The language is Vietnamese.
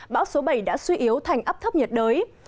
bão số bảy đã suy yếu thành áp thấp nhiệt đới